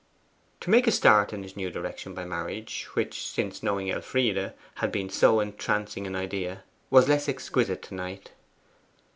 To make a start in this new direction by marriage, which, since knowing Elfride, had been so entrancing an idea, was less exquisite to night.